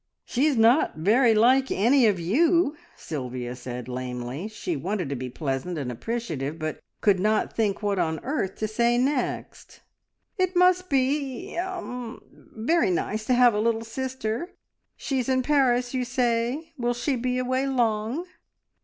"She is not very like any of you!" Sylvia said lamely. She wanted to be pleasant and appreciative, but could not think what on earth to say next. "It must be er very nice to have a little sister. She is in Paris, you say. Will she be away long?"